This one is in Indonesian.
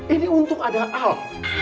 ini untung ada al